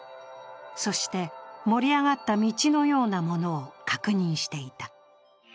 そして、盛り上がった道のようなものを確認していた。